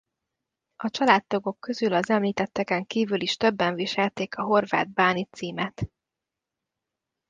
A családtagok közül az említetteken kívül is többen viselték a horvát báni címet.